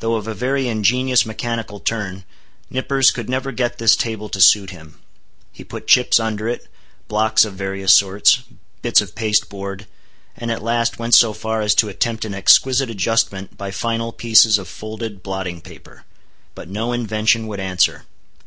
Though of a very ingenious mechanical turn, Nippers could never get this table to suit him. He put chips under it, blocks of various sorts, bits of pasteboard, and at last went so far as to attempt an exquisite adjustment by final pieces of folded blotting paper. But no invention would answer.